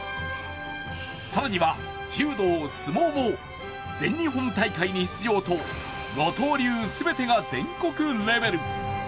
更には柔道・相撲も全日本大会に出場と五刀流全てが全国レベル。